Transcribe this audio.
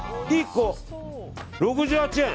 １個６８円。